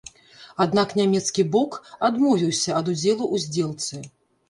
Аднак нямецкі бок адмовіўся ад удзелу ў здзелцы.